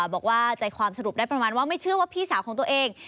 บอกว่าใจความสรุปได้ประมาณว่าไม่เชื่อว่าพี่สาวของตัวเอง